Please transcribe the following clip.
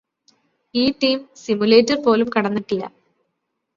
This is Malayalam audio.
ഈ ടീം സിമുലേറ്റര് പോലും കടന്നിട്ടില്ല